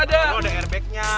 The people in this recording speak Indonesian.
oh ada airbagnya